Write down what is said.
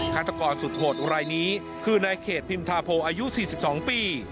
ฆาตกรสุดโหดรายนี้คือนายเขตพิมธาโพอายุ๔๒ปี